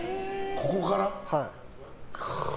ここから？